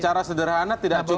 secara sederhana tidak cukup